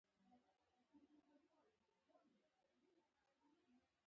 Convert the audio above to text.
نه اتیای دوه سوه شپږ اوه اتیا